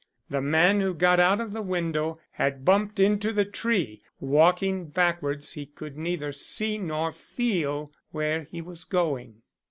The man who got out of the window had bumped into the tree. Walking backwards he could neither see nor feel where he was going."